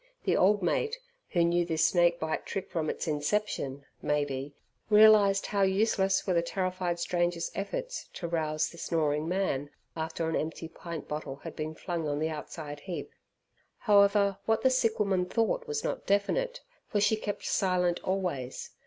The old mate, who knew this snake bite trick from its inception, maybe, realized how useless were the terrified stranger's efforts to rouse the snoring man after an empty pint bottle had been flung on the outside heap. However, what the sick woman thought was not definite, for she kept silent always.